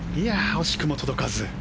惜しくも届かず。